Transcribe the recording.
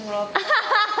ハハハハッ！